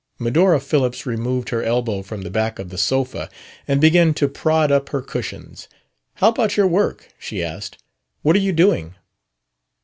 Medora Phillips removed her elbow from the back of the sofa, and began to prod up her cushions. "How about your work?" she asked. "What are you doing?"